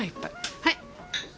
はい。